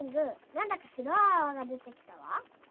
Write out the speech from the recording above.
なんだかしろいあわがでてきたわ。